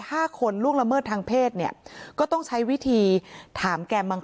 ห้าคนล่วงละเมิดทางเพศเนี่ยก็ต้องใช้วิธีถามแกบาง